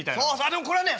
でもこれはね